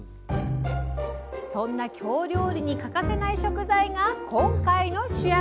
そんな京料理に欠かせない食材が今回の主役。